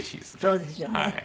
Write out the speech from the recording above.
そうですよね。